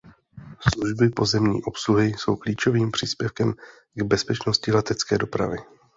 Služby pozemní obsluhy jsou klíčovým příspěvkem k bezpečnosti letecké dopravy.